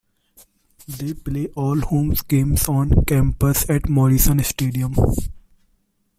They play all home games on campus at Morrison Stadium.